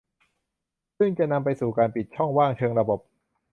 ซึ่งจะนำไปสู่การปิดช่องว่างเชิงระบบ